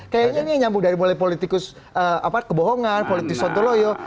kayaknya ini yang nyambung dari politikus kebohongan politikus ontoloyo